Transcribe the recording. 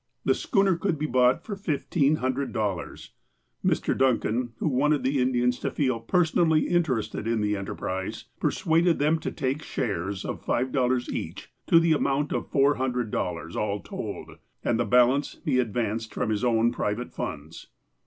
The schooner could be bought for fifteen hundred dollars. Mr. Duncan, who wanted the Indiana to feel personally interested in the enterprise, persuaded them to take shares of five dollars each to the amount of four hundred dollars, all told, and the balance he ad vanced from his own private funds.